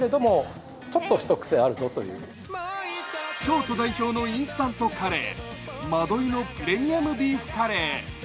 京都代表のインスタントカレー、円居のプレミアムビーフカレー。